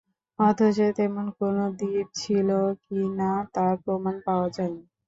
অথচ তেমন কোনো দ্বীপ ছিল কি না তার প্রমাণ পাওয়া যায়নি।